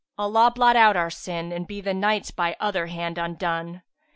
[FN#367] Allah blot out our sin, * And be the Nights by other hand undone!